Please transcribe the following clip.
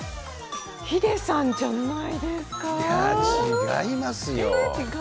ヒデさんじゃないですか？